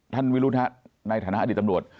ท่านวิรุณฮะในฐานะอดีตตำรวจ